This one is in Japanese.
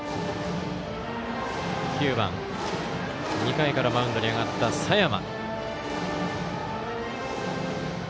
９番、２回からマウンドに上がった佐山。